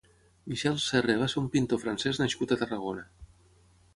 Michel Serre va ser un pintor francès nascut a Tarragona.